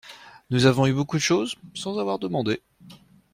Nous avons eu beaucoup de choses sans avoir demandé.